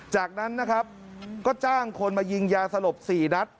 จากนั้นนะครับก็จ้างคนมายิงยาสลบ๔นัด